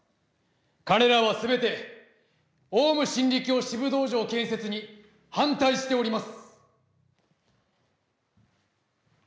彼らは全てオウム真理教支部道場建設に反対しております。